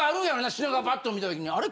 品川パッと見たときにあれ？